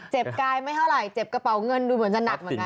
กายไม่เท่าไหร่เจ็บกระเป๋าเงินดูเหมือนจะหนักเหมือนกัน